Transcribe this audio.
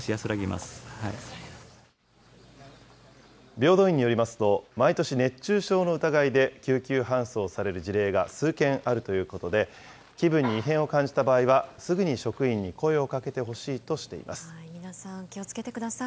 平等院によりますと、毎年、熱中症の疑いで、救急搬送される事例が数件あるということで、気分に異変を感じた場合は、すぐに職員に声をかけてほしいとして皆さん、気をつけてください。